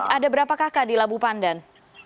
ada berapa kakak di labu pandan